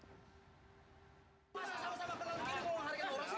masa sama sama peneliti di kolong harga korupsi